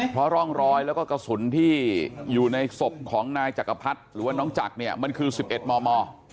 เพราะร่องรอยแล้วก็กระสุนที่อยู่ในศพของนายจักรพรรดิหรือว่าน้องจักรเนี่ยมันคือ๑๑มม